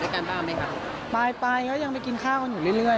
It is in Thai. ด้วยกันเปล่าไหมครับไปไปเขายังไปกินข้าวอยู่เรื่อย